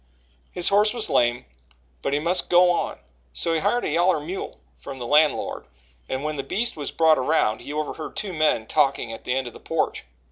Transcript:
His horse was lame but he must go on: so he hired a "yaller" mule from the landlord, and when the beast was brought around, he overheard two men talking at the end of the porch.